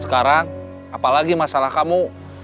sekarang apalagi masalah kamu